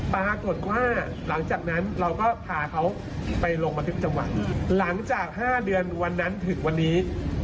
ปรากฏว่าหลังจากนั้นเราก็พาเขาไปลงบันทึกจังหวัดหลังจาก๕เดือนวันนั้นถึงวันนี้